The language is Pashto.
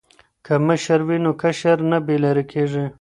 که مشر وي نو کشر نه بې لارې کیږي.